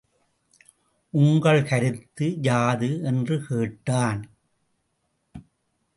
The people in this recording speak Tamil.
உங்கள் கருத்து யாது? என்று கேட்டான்.